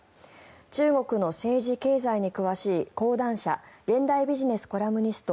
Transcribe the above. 中国の政治・経済に詳しい講談社現代ビジネスコラムニスト